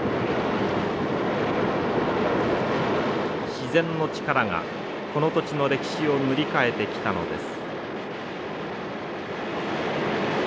自然の力がこの土地の歴史を塗り替えてきたのです。